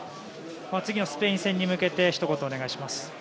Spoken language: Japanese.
次のスペイン戦に向けてひと言お願いします。